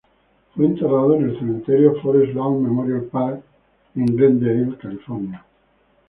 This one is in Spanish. Fue enterrado en el cementerio Forest Lawn Memorial Park, en Glendale, California.